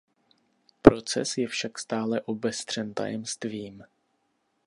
Proces je však stále obestřen tajemstvím.